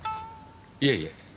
いえいえ。